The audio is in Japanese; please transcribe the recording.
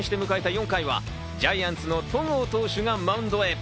４回は、ジャイアンツの戸郷投手がマウンドへ。